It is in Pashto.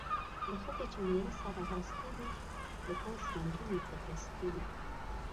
د ښځې چې میړه سره راستي وي ،د کور ژوند یې په درستي